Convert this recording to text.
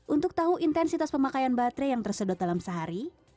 untuk tahu intensitas pemakaian baterai yang tersedot dalam sehari